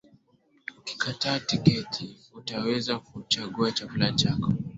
Ukikata tiketi, utaweza kuchagua chakula chako.